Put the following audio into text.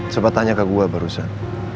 sempat tanya ke gue barusan